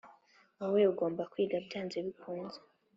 wowe ugomba kwiga byanze bikunze